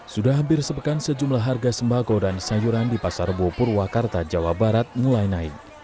sudah hampir sepekan sejumlah harga sembako dan sayuran di pasar burwakarta jawa barat mulai naik